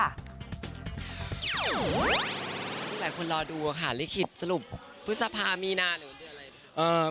พวกหลายคนรอดูค่ะลิขิตสรุปพฤษภามีนะหรืออะไร